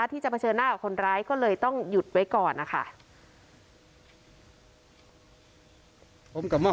ที่จะเผชิญหน้ากับคนร้ายก็เลยต้องหยุดไว้ก่อนนะคะ